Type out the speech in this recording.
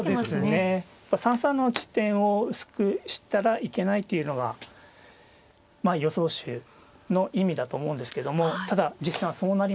３三の地点を薄くしたらいけないっていうのがまあ予想手の意味だと思うんですけどもただ実戦はそうなりましたね。